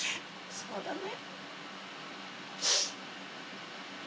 そうだね。